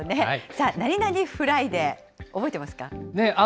さあ、何々フライデー、覚えてますか？